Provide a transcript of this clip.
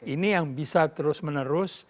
ini yang bisa terus menerus